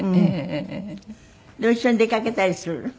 でも一緒に出かけたりする？